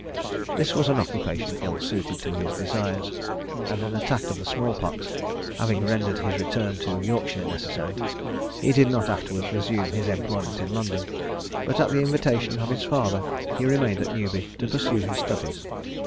This was an occupation ill suited to his desires, and an attack of the small pox having rendered his return to Yorkshire necessary, he did not afterwards resume his employment in London, but at the invitation of his father he remained at Newby, to pursue his studies.